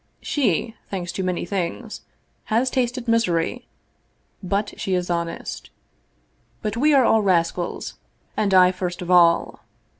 " She, thanks to many things, has tasted misery, but she is honest But we are all rascals, and I first of all.